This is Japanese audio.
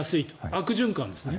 悪循環ですね。